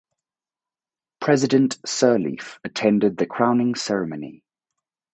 President Sirleaf attended the crowning ceremony.